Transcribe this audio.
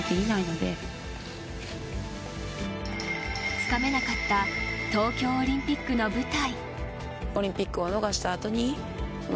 つかめなかった東京オリンピックの舞台。